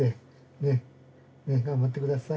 ねっ。頑張ってください。